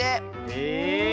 へえ。